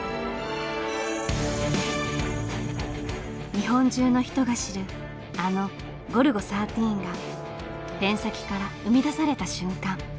日本中の人が知るあの「ゴルゴ１３」がペン先から生み出された瞬間。